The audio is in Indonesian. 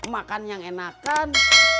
makan yang enakan